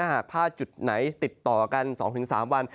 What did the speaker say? หากผ้าจุดไหนติดต่อกัน๒๓วัน